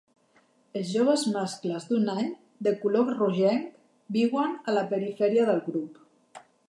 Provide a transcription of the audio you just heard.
Els joves mascles d'un any, de color rogenc, viuen a la perifèria del grup.